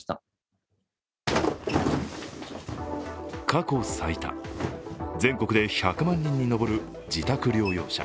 過去最多全国で１００万人に上る自宅療養者。